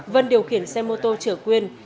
vân điều khiển xe mô tô chở quyên